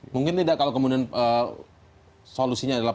mungkin tidak kalau kemudian solusinya adalah